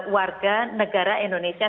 warga negara indonesia